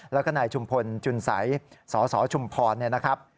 แล้วก็ได้ชุมพลชุนสัยสอสชุมพรนะครับ